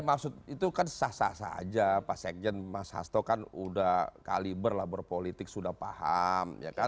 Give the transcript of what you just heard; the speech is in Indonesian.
pdi perjuangan pak sekjen mas hasto kan sudah kaliber berpolitik sudah paham